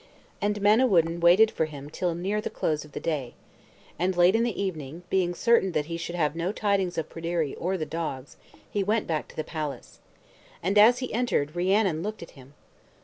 And Manawyddan waited for him till near the close of the day. And late in the evening, being certain that he should have no tidings of Pryderi or the dogs, he went back to the palace. And as he entered, Rhiannon looked at him.